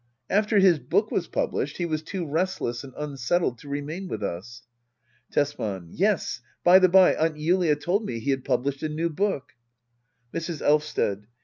After his book was published he was too rest less and unsettled to remain with us. Tesman. Yes, by the bye, Aunt Julia told me he had published a new book. Mrs. Elvsted.